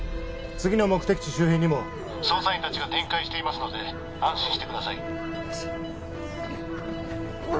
次の目的地周辺にも捜査員達が展開していますので安心してください